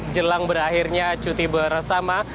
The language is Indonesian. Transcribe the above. jelang berakhirnya cuti bersama